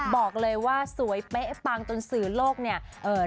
บอกเลยว่าสวยเป๊ะปังจนสื่อโลกเนี่ยเอ่อ